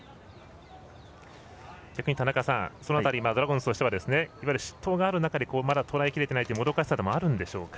田中さん、その辺りドラゴンズとしては失投がある中でとらえ切れてないもどかしさもあるんでしょうか。